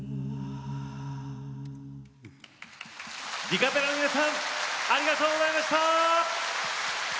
ディカペラの皆さんありがとうございました。